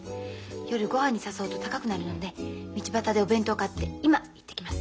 夜ごはんに誘うと高くなるので道端でお弁当買って今行ってきます。